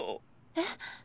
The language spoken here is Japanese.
えっ？